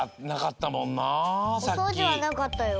おそうじはなかったよ。